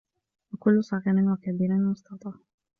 وَكُلُّ صَغيرٍ وَكَبيرٍ مُستَطَرٌ